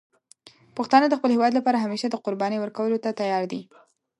پښتانه د خپل هېواد لپاره همیشه د قربانی ورکولو ته تیار دي.